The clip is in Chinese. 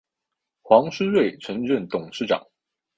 黄书锐曾任董事长。